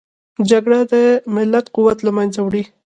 جګړه د ملت قوت له منځه وړي